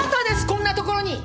こんなところに！